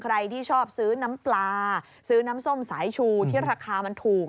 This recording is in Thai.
ใครที่ชอบซื้อน้ำปลาซื้อน้ำส้มสายชูที่ราคามันถูก